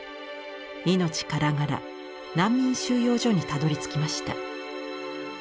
命からがら難民収容所にたどりつきました。